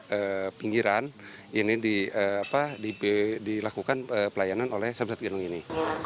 yang pinggiran ini di apa dilakukan pelayanan oleh samsat genong ini